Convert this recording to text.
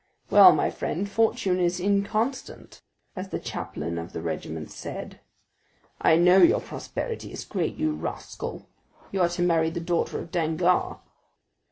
Well, my friend, fortune is inconstant, as the chaplain of the regiment said. I know your prosperity is great, you rascal; you are to marry the daughter of Danglars."